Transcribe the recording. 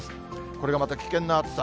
これがまた危険な暑さ。